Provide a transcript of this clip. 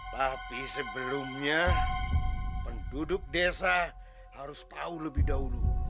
tapi sebelumnya penduduk desa harus tahu lebih dahulu